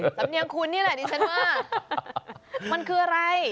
สำเนียงคุณนี่แหละดิฉันว่ามันคืออะไร